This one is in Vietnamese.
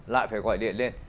lại phải gọi điện lên